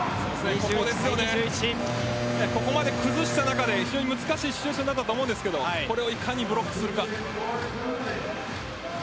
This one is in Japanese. ここまで崩した中で難しい修正だったと思うんですがこれをいかにブロックするか。